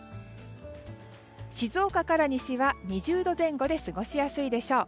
静岡から西は２０度前後で過ごしやすいでしょう。